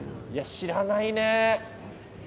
知らないね。